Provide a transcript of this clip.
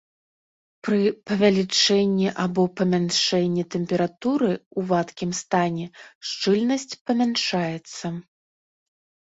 Пры павялічэнні або памяншэнні тэмпературы ў вадкім стане шчыльнасць памяншаецца.